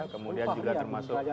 kemudian juga termasuk